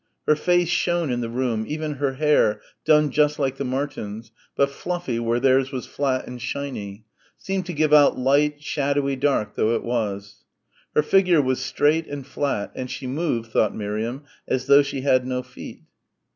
Her face shone in the room, even her hair done just like the Martins', but fluffy where theirs was flat and shiny seemed to give out light, shadowy dark though it was. Her figure was straight and flat, and she moved, thought Miriam, as though she had no feet.